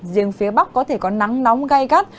riêng phía bắc có thể có nắng nóng gai gắt